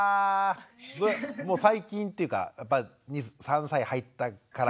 もう最近っていうかやっぱ３歳入ってからぐらい？